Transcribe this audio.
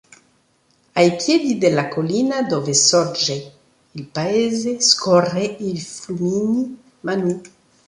Ai piedi della collina, dove sorge il paese, scorre il Flumini Mannu.